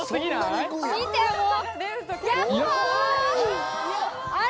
見てもう。